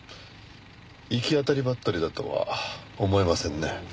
行き当たりばったりだとは思えませんね。